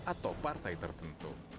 atau partai tertentu